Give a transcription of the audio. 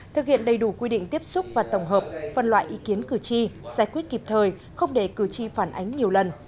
thực hiện đầy đủ quy định tiếp xúc và tổng hợp phân loại ý kiến cử tri giải quyết kịp thời không để cử tri phản ánh nhiều lần